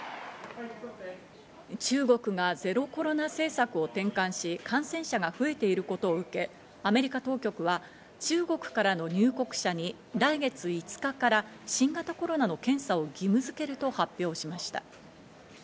中国がゼロコロナ政策を転換し、感染者が増えていることを受け、アメリカ当局は中国からの入国者に来月５日から新型コロナの検査を義務づけると発表しました。